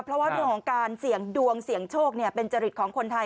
เพราะว่าเรื่องของการเสี่ยงดวงเสี่ยงโชคเป็นจริตของคนไทย